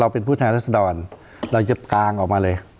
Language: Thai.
เราเป็นผู้ทางรัฐสดรรค์เราจะกางออกมาเลย